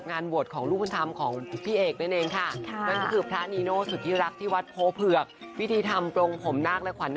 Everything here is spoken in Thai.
งานบวชงานบุญที่ต้องเลาไสนิดนึงนะคะ